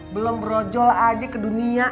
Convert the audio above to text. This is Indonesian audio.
belom berujol aja ke dunia